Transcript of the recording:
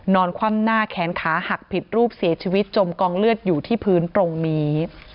คว่ำหน้าแขนขาหักผิดรูปเสียชีวิตจมกองเลือดอยู่ที่พื้นตรงนี้